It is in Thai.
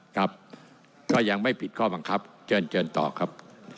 ครับก็ยังไม่ผิดข้อบังคับเชิญต่อครับ